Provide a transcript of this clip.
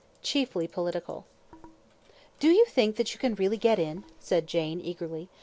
Chiefly Political "Do you think that you can really get in?' said Jane, eagerly.